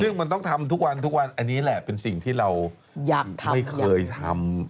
ซึ่งมันต้องทำทุกวันทุกวันอันนี้แหละเป็นสิ่งที่เราไม่เคยทำ